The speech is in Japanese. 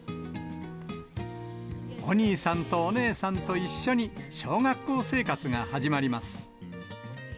お兄さんとお姉さんと一緒に、小学校生活が始まります。